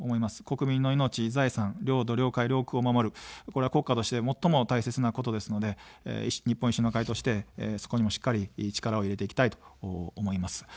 国民の命、財産、領土、領海、領空を守る、これは国家として最も大切なことですので、日本維新の会としてそこにもしっかり力を入れていきたいと思います。